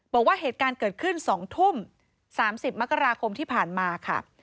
บอกว่าเหตุการณ์เกิดขึ้น๒ทุ่ม๓๐มกราคมที่ผ่านมาค่ะ